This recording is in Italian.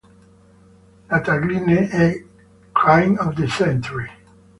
La "tagline" è: "Crime of the century!